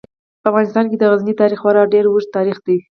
په افغانستان کې د غزني تاریخ خورا ډیر اوږد تاریخ دی.